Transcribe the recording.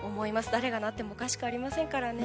誰がなってもおかしくありませんからね。